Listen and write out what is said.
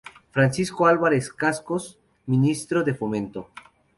Francisco Álvarez-Cascos, Ministro de Fomento.